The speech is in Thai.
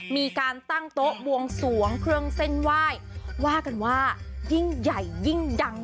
มีการตั้งโต๊ะบวงสวงเครื่องเส้นไหว้ว่ากันว่ายิ่งใหญ่ยิ่งดัง